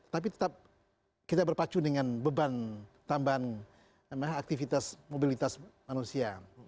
tapi tetap kita berpacu dengan beban tambahan aktivitas mobilitas manusia